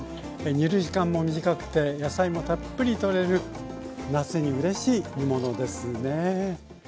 煮る時間も短くて野菜もたっぷりとれる夏にうれしい煮物ですね。